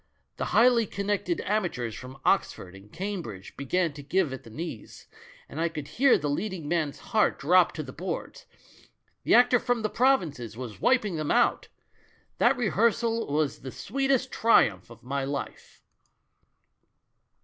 The highly connected amateurs from Oxford and Cambridge began to give at the knees, and I could hear the leading man's heart drop on to the boards; the actor from the provinces was wiping them outl That rehearsal was the sweetest triumph of my life.